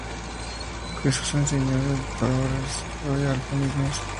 Jesús enseñó en parábolas y aforismos.